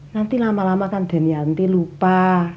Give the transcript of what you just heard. nanti lama lama kan den yanti lupa